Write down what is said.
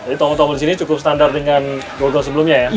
jadi tombol tombol disini cukup standar dengan go go sebelumnya ya